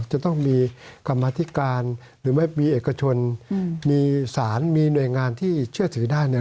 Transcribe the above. จะต้องมีกรรมธิการหรือไม่มีเอกชนมีสารมีหน่วยงานที่เชื่อถือได้เนี่ย